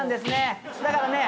だからね